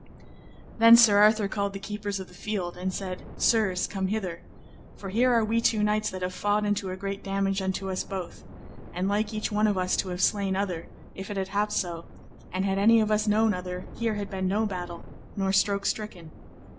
Then Sir Arthur called the keepers of the field, and said, Sirs, come hither, for here are we two knights that have fought unto a great damage unto us both, and like each one of us to have slain other, if it had happed so; and had any of us known other, here had been no battle, nor stroke stricken.